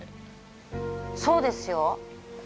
そうですよ。